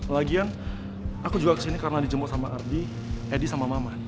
lagian aku juga kesini karena dijemur sama ardi edi sama mama